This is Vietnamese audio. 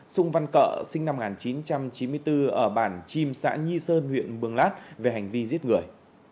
sung văn cợ sinh năm một nghìn chín trăm chín mươi bốn ở bản chim xã nhi sơn huyện mường lát về hành vi giết người